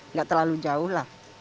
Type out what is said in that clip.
nggak terlalu jauh lah